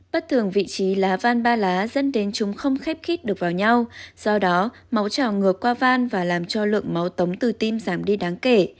bất thường vị trí lá van ba lá dẫn đến chúng không khép khí được vào nhau do đó máu trào ngược qua van và làm cho lượng máu tống từ tim giảm đi đáng kể